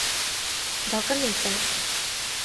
দরকার নেই, স্যার।